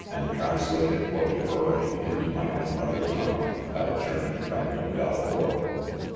and translated for me verbally^ into my own mother . tongue, by the. German friend of Dalcour.